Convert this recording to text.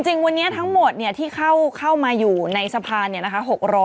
จริงวันนี้ทั้งหมดเนี่ยที่เข้าเข้ามายูในสะพานเนี่ยนะคะ๖๗๖